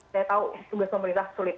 saya tahu tugas pemerintah sulit